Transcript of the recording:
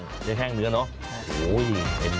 เส้นเล็กแห้งเนื้อเนอะโอ้โฮย